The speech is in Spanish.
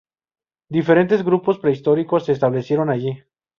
Diferentes grupos prehistóricos se establecieron allí.